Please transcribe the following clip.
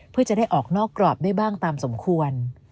เพื่อจะได้ออกนอกกรอบได้บ้างตามสมควร